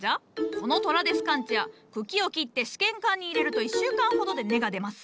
このトラデスカンチア茎を切って試験管に入れると１週間ほどで根が出ます。